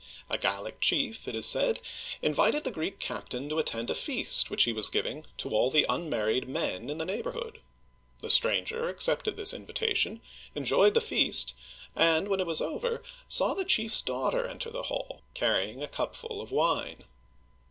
A Gallic chief, it is said, invited the Greek captain to attend a feast which he was giving to all the unmarried men in the neighborhood. The stranger accepted this invitation, enjoyed the feast, and when it was over, saw the chief's daughter enter the hall, carrying a cupful of wine.